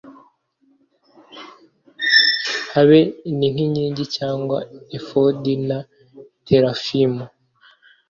habe n inkingi cyangwa efodi na terafimu